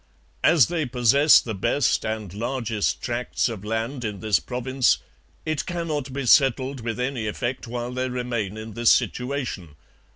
As they possess the best and largest tracts of land in this province, it cannot be settled with any effect while they remain in this situation.